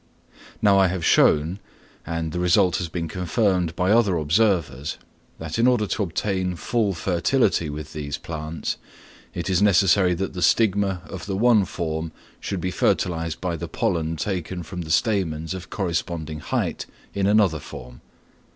Now I have shown, and the result has been confirmed by other observers, that in order to obtain full fertility with these plants, it is necessary that the stigma of the one form should be fertilised by pollen taken from the stamens of corresponding height in another form.